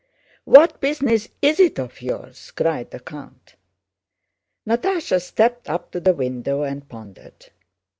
"What business is it of yours?" cried the count. Natásha stepped up to the window and pondered.